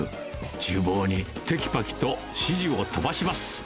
ちゅう房にてきぱきと指示を飛ばします。